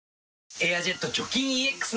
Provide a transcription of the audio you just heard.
「エアジェット除菌ＥＸ」